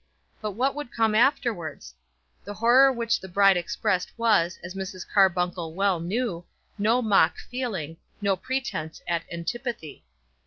But what would come afterwards? The horror which the bride expressed was, as Mrs. Carbuncle well knew, no mock feeling, no pretence at antipathy.